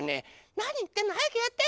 なにいってんのはやくやって！